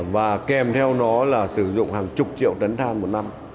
và kèm theo nó là sử dụng hàng chục triệu tấn than một năm